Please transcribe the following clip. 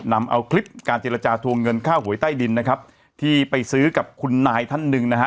นำเอาคลิปการเจรจาทวงเงินค่าหวยใต้ดินนะครับที่ไปซื้อกับคุณนายท่านหนึ่งนะฮะ